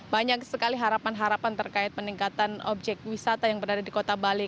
banyak sekali harapan harapan terkait peningkatan objek wisata yang berada di kota bali